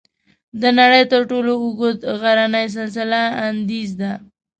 د نړۍ تر ټولو اوږد غرنی سلسله "انډیز" ده.